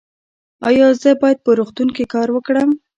ایا زه باید په روغتون کې کار وکړم؟